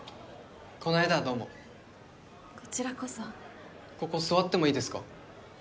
この間はどうもこちらこそここ座ってもいいですか？